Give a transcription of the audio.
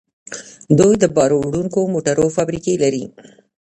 دوی د بار وړونکو موټرو فابریکې لري.